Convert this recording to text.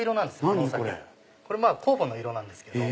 酵母の色なんですけど。